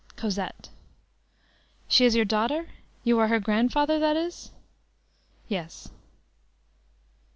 "Cosette." "She is your daughter? You are her grandfather, that is?" "Yes."